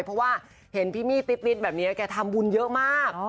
เพราะว่าเห็นพี่มี่ติ๊บแบบนี้แกทำบุญเยอะมาก